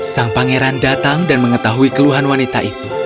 sang pangeran datang dan mengetahui keluhan wanita itu